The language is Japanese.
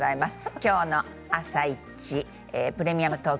きょうの「あさイチ」「プレミアムトーク」